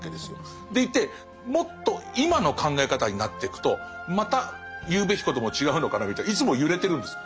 でいてもっと今の考え方になっていくとまた言うべきことも違うのかなみたいにいつも揺れてるんです。